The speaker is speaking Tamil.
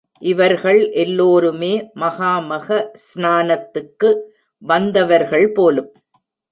இவர்கள் எல்லோருமே மகாமக ஸ்நானத்துக்கு வந்தவர்கள் போலும்.